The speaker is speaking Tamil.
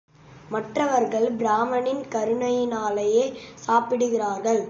மற்றவர்கள் பிராமணனின் கருணையினாலேயே சாப்பிடுகிறார்கள்.